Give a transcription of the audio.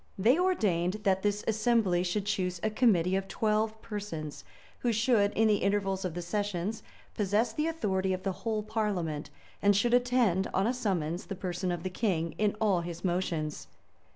They ordained, that this assembly should choose a committee of twelve persons, who should, in the intervals of the sessions, possess the authority of the whole parliament, and should attend, on a summons, the person of the king, in all his motions.